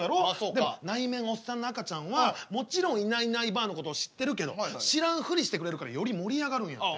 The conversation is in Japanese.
でも内面おっさんの赤ちゃんはもちろんいないいないばあのことを知ってるけど知らんふりしてくれるからより盛り上がるんやて。